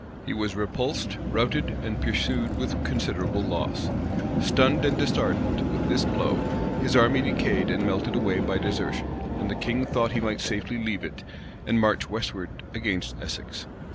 He was repulsed, routed, and pursued with considerable loss.[*] Stunned and disheartened with this blow, his army decayed and melted away by desertion; and the king thought he might safely leave it, and march westward against Essex.